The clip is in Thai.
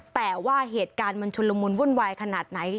แต่ว่าเหตุการณ์มันชุนละมุนวุ่นวายขนาดไหน